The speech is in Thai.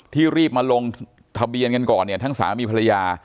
ที่รีบมาลงทะเบียนกันก่อนทั้งสามีภรรยา